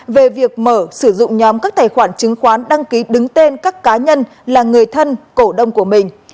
về việc mở sử dụng nhóm các tài khoản chứng khoán đăng ký đứng tên các cá nhân là người thân cổ đông của mình